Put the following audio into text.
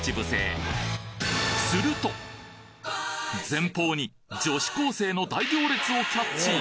前方に女子高生の大行列をキャッチ！